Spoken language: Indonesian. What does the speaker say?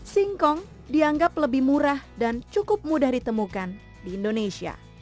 singkong dianggap lebih murah dan cukup mudah ditemukan di indonesia